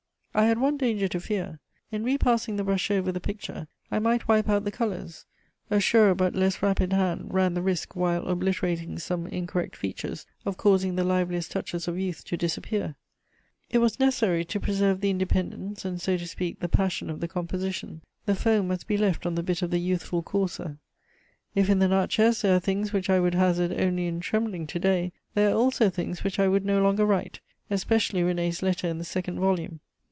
I had one danger to fear. In repassing the brush over the picture, I might wipe out the colours; a surer but less rapid hand ran the risk, while obliterating some incorrect features, of causing the liveliest touches of youth to disappear: it was necessary to preserve the independence and, so to speak, the passion of the composition; the foam must be left on the bit of the youthful courser. If in the Natchez there are things which I would hazard only in trembling to day, there are also things which I would no longer write, especially René's letter in the second volume.